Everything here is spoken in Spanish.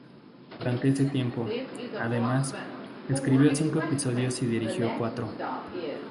Durante ese tiempo, además, escribió cinco episodios y dirigió cuatro.